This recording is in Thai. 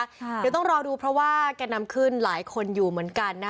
เดี๋ยวต้องรอดูเพราะว่าแก่นำขึ้นหลายคนอยู่เหมือนกันนะ